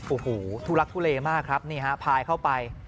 โอ้โหทุลักทุเลมากครับนี่ฮะพายเข้าไป